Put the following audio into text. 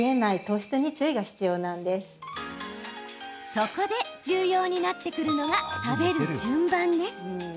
そこで重要になってくるのが食べる順番です。